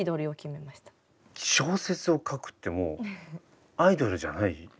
小説を書くってもうアイドルじゃないよね。